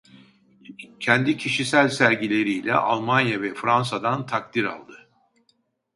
Kendi kişisel sergileriyle Almanya ve Fransa'dan takdir aldı.